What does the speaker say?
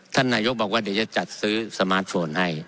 ท่านนายกบอกว่าเดี๋ยวจะจัดซื้อสมาร์ทโฟนให้